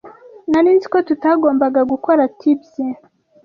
Nari nzi ko tutagomba gukora tibye.